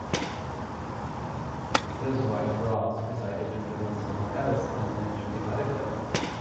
His wife Ros decided to live with someone else and eventually married them.